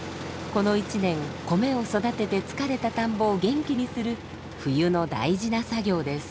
この一年米を育てて疲れた田んぼを元気にする冬の大事な作業です。